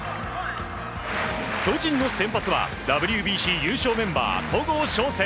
巨人の先発はＷＢＣ優勝メンバー戸郷翔征。